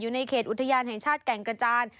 ในเขตอุทยานแห่งชาติแก่งกระจาน